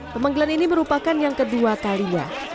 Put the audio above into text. pemanggilan ini merupakan yang kedua kali ya